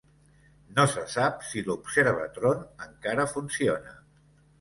No se sap si l'Observatron encara funciona.